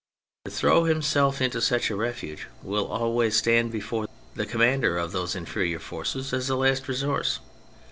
To throw him self into such a refuge will always stand before the commander of those inferior forces as a last resource.